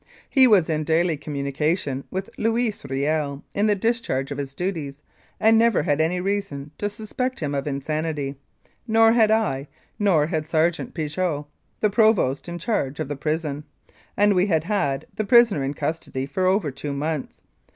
He was in daily communication with Louis Riel in the discharge of his duties, and never had any reason to suspect him of insanity. Nor had I, nor had Sergeant Piggott (the provost in charge of the prison), and we had had the prisoner in custody for over two months.